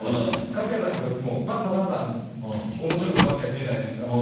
春日さんとかってもうバンバンバンバン面白いことばっかやっているじゃないですか。